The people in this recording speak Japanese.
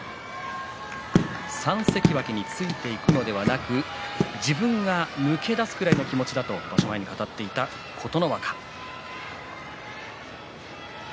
３関脇についていくのではなく自分が抜け出すくらいの気持ちだと場所前に語っていた琴ノ若。